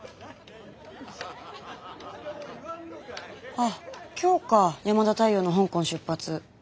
あっ今日か山田太陽の香港出発。